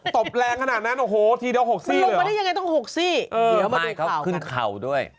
จบนะจบอีกแล้ว